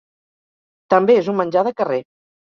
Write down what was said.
També és un menjar de carrer.